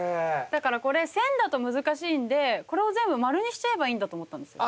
だからこれ線だと難しいんでこれを全部丸にしちゃえばいいんだと思ったんですよ。